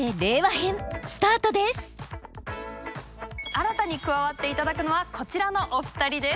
新たに加わっていただくのはこちらのお二人です。